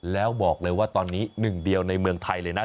แล้วบอกเลยว่าตอนนี้หนึ่งเดียวในเมืองไทยเลยนะ